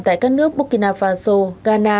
tại các nước burkina faso ghana